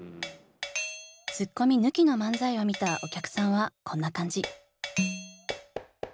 ツッコミ抜きの漫才を見たお客さんはこんな感じ。